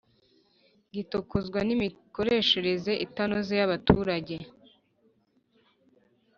Gitokozwa, n’imikoreshereze itanoze y’abaturage